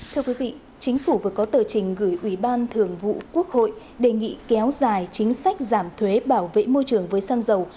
thưa quý vị chính phủ vừa có tờ trình gửi ủy ban thường vụ quốc hội đề nghị kéo dài chính sách giảm thuế bảo vệ môi trường với xăng dầu